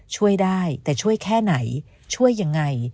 ช่วยได้แต่ช่วยแค่ไหนช่วยยังไง